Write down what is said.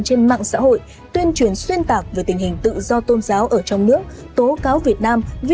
trên mạng xã hội tuyên truyền xuyên tạc về tình hình tự do tôn giáo ở trong nước tố cáo việt nam vi